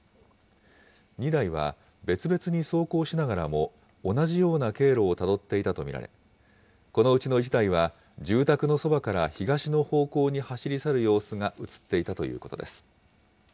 ２台は別々に走行しながらも、同じような経路をたどっていたと見られ、このうちの１台は、住宅のそばから東の方向に走り去る様子が写っていたということです。